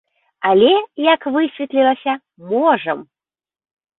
Але, як высветлілася, можам!